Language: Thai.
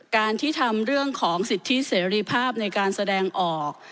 การที่ทำเรื่องของสิทธิเสรีภาพในการแสดงออก